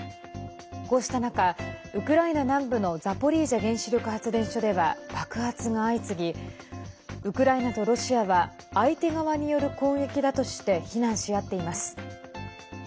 こうした中、ウクライナ南部のザポリージャ原子力発電所では爆発が相次ぎウクライナとロシアは相手側による攻撃だとして非難し合っています。